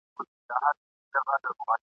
شمعي ته څه مه وایه! ..